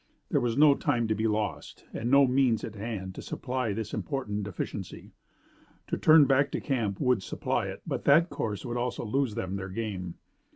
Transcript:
There was no time to be lost and no means at hand to supply this important deficiency. To turn back to camp would supply it, but that course would also lose them their game.